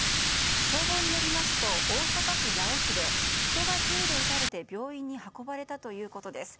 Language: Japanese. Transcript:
消防によりますと大阪府八尾市で人が銃で撃たれて病院に運ばれたということです。